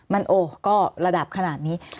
มันโอ้ก็ระดับขนาดนี้